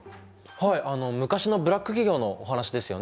はいあの昔のブラック企業のお話ですよね！